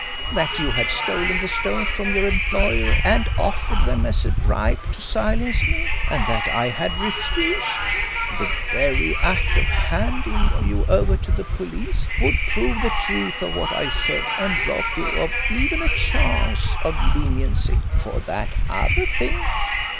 That you had stolen the stones from your employer and offered them as a bribe to silence me, and that I had refused. The very act of handing you over to the police would prove the truth of what I said and rob you of even a chance of leniency FOR THAT OTHER THING.